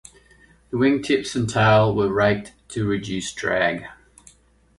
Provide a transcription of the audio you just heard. The wingtips and tail were raked to reduce drag.